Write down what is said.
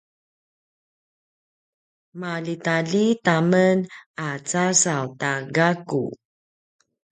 maljitaljita men a casaw ta gaku